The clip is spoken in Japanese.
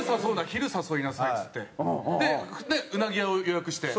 昼誘いなさい」っつってでうなぎ屋を予約して。